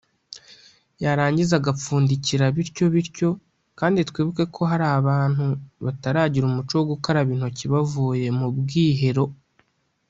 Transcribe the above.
yarangiza agapfundikira bityo bityo kandi twibuke ko hari abantu bataragira umuco wo gukaraba intoki bavuye mu bwihero